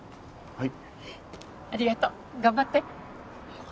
はい。